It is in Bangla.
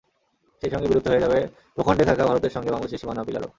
সেই সঙ্গে বিলুপ্ত হয়ে যাবে ভূখণ্ডে থাকা ভারতের সঙ্গে বাংলাদেশের সীমানা পিলারও।